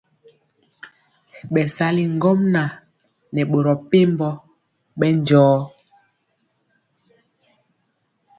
Bɛsali ŋgomnaŋ nɛ boro mepempɔ bɛndiɔ.